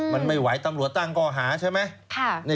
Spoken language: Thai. มันไม่ไหวตำรวจตั้งก้อหาใช่ไหม